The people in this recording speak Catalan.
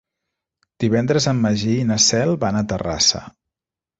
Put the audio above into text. Divendres en Magí i na Cel van a Terrassa.